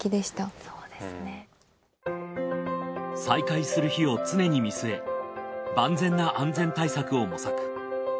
再開する日を常に見据え万全な安全対策を模索。